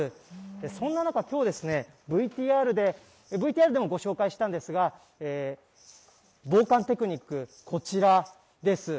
そんな中、今日、ＶＴＲでもご紹介したんですが、防寒テクニック、こちらです。